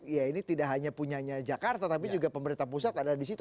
ya ini tidak hanya punyanya jakarta tapi juga pemerintah pusat ada di situ